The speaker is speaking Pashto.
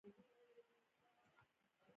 دا د چارو د ښه والي په موخه دی.